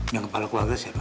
yang kepala keluarga siapa